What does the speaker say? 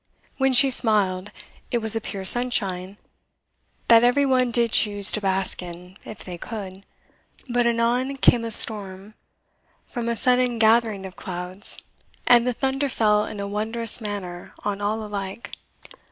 When she smiled, it was a pure sunshine, that every one did choose to bask in, if they could; but anon came a storm from a sudden gathering of clouds, and the thunder fell in a wondrous manner on all alike."